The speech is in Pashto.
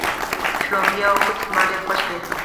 شړومبی او کوچ زما ډېر خوښ دي.